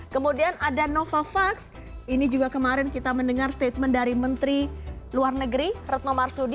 kemudian ada novavax ini juga kemarin kita mendengar statement dari menteri luar negeri retno marsudi